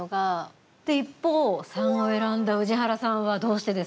一方、３を選んだ宇治原さんはどうしてですか？